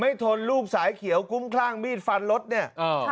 ทนลูกสายเขียวคุ้มคลั่งมีดฟันรถเนี่ยอ่า